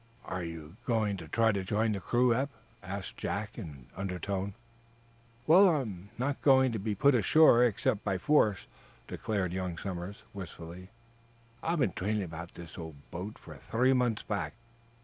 "Are you going to try to join the crew, Eph?" asked Jack, in an undertone. "Well, I'm not going to be put ashore, except by force," declared young Somers, wistfully. "I've been dreaming about this old boat for three months back.